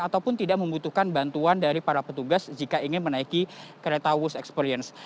ataupun tidak membutuhkan bantuan dari para petugas jika ingin menaiki kereta wush experience